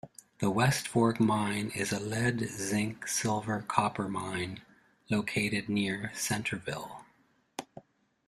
The West Fork Mine is a lead-zinc-silver-copper mine located near Centerville.